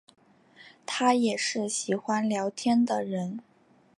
她也是喜欢聊天的人